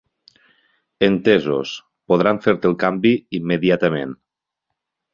Entesos, podran fer-te el canvi immediatament.